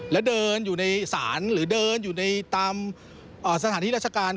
แล้วเดินอยู่ในศาลหรือเดินอยู่ในตามสถานที่ราชการ